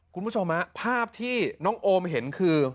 คุณผู้ชมภาพที่น้องโอมเห็นคือ